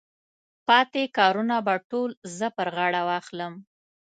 پاتې کارونه به ټول زه پر غاړه واخلم.